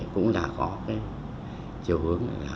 cũng là có cái chiều hướng